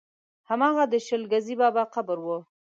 هماغه د شل ګزي بابا قبر و.